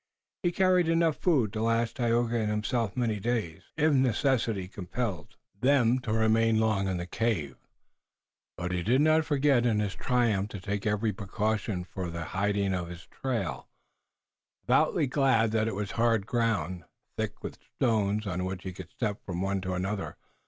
He carried enough food to last Tayoga and himself many days, if necessity compelled them to remain long in the cave, but he did not forget in his triumph to take every precaution for the hiding of his trail, devoutly glad that it was hard ground, thick with stones, on which he could step from one to another.